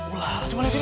ulah coba liat sini